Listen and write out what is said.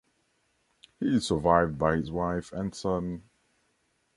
He is survived by his wife and son.